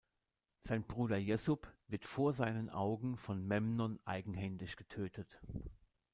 Sein Bruder Jesup wird vor seinen Augen von Memnon eigenhändig getötet.